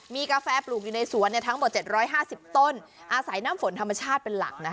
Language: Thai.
มีกาแฟปลูกอยู่ในสวนทั้งหมด๗๕๐ต้นอาศัยน้ำฝนธรรมชาติเป็นหลัก